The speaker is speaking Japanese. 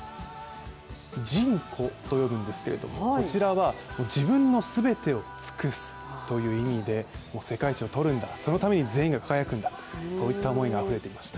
尽己と読むんですけれどもこちらは自分の全てを尽くすという意味で世界一を取るんだ、そのために全員が輝くんだといったことがあふれていました。